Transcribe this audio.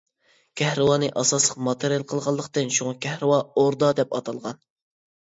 كەھرىۋانى ئاساسلىق ماتېرىيال قىلغانلىقتىن شۇڭا كەھرىۋا ئوردا دەپ ئاتالغان.